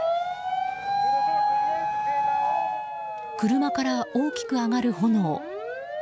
車から大きく上がる炎。